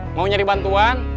mau nyari bantuan